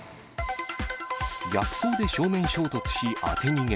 逆走で正面衝突し当て逃げ。